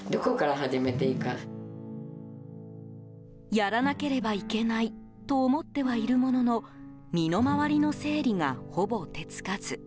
やらなければいけないと思ってはいるものの身の回りの整理がほぼ手つかず。